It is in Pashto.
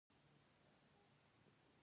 د دوی حرکت فقط د خوځیدونکي حرکت په شکل وي.